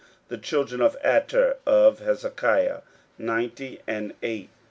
16:007:021 The children of Ater of Hezekiah, ninety and eight.